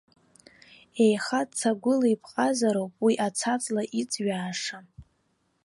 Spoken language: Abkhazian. Еиха цагәыла иԥҟазар ауп уи аца-ҵла, иҵҩааша.